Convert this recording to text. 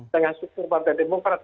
dengan struktur partai demokrat